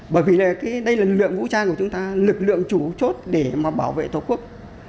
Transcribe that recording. bởi vì là đây là lực lượng vũ trang của chúng ta lực lượng chủ chốt để mà bảo vệ tổ quốc